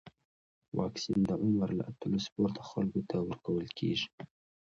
واکسن د عمر له اتلسو پورته خلکو ته ورکول کېږي.